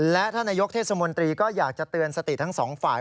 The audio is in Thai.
และท่านนายกเทศมนตรีก็อยากจะเตือนสติทั้งสองฝ่าย